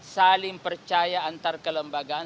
saling percaya antarkelembagaan